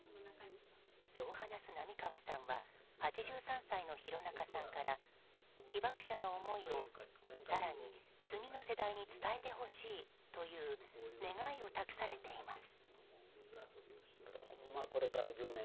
そう話す並川さんは８３歳の廣中さんから被爆者の思いを、更に次の世代に伝えてほしいという願いを託されています。